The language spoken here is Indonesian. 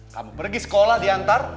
kamu pergi sekolah diantar